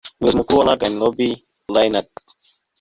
umuyobozi mukuru wa ragan rob reinald